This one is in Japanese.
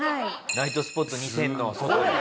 ナイトスポット２０００の。